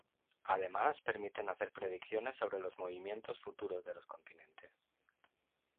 Además permiten hacer predicciones sobre los movimientos futuros de los continentes.